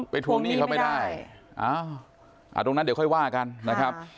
ไปฟ้องนี้เขาไม่ได้อ้าวอ่าตรงนั้นเดี๋ยวค่อยว่ากันนะครับ